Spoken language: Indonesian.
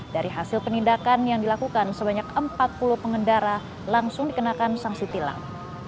dari hasil penindakan yang dilakukan sebanyak empat puluh pengendara langsung dikenakan sanksi tilang